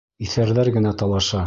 Иҫәрҙәр генә талаша.